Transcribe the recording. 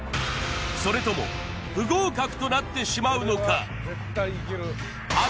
それとも不合格となってしまうのか？